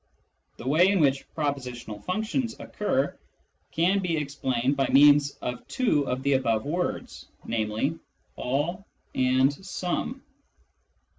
The way in which propositional functions occur can be explained by means of two of the above words, namely, " all " and " some."